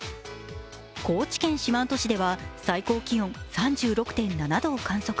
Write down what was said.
高知県四万十市では最高気温３６．７度を観測。